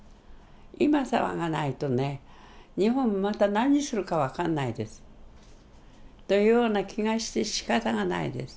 今騒がないとね日本また何するか分かんないです。というような気がしてしかたがないです。